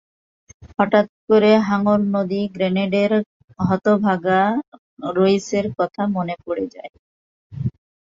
হঠাৎ করে হাঙর নদী গ্রেনেডের হতভাগা রইসের কথা মনে পড়ে যায়।